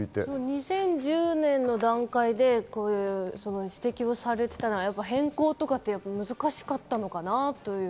２０１０年の段階で指摘をされていたのは変更とかが難しかったのかなと。